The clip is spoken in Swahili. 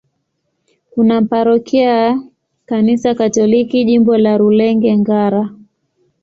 Kuna parokia ya Kanisa Katoliki, Jimbo la Rulenge-Ngara.